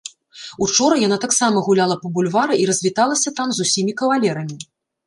Учора яна таксама гуляла па бульвары і развіталася там з усімі кавалерамі.